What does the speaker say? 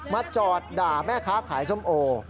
จอดด่าแม่ค้าขายส้มโอ